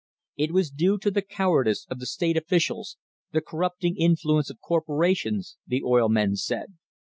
It was due to the cowardice of the state officials, the corrupt ing influence of corporations, the oil men said.